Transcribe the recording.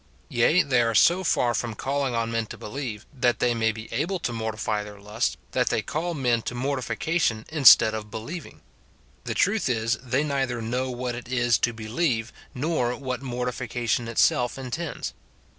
Yea, they are so far from calling on men to believe, that they may be able to mortify their lusts, that they call men to mortification instead of believing. The truth is, they neither know what it is to believe, nor what mortification itself intends.